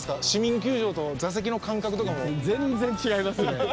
市民球場と座席の間隔とかも全然違いますね